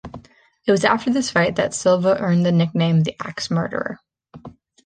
It was after this fight that Silva earned the nickname "The Axe Murderer".